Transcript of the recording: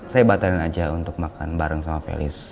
saya batalin aja untuk makan bareng sama felis